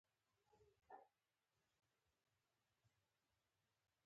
احمدشاه بابا د افغان غیرت نښه وه.